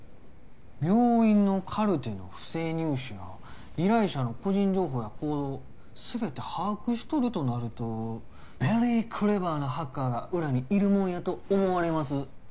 病院のカルテの不正入手や依頼者の個人情報や行動全て把握しとるとなるとベリークレバーなハッカーが裏にいるもんやと思われます